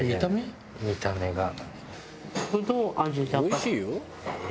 「おいしいよ」